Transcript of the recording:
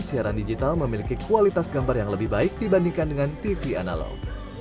siaran digital memiliki kualitas gambar yang lebih baik dibandingkan dengan tv analog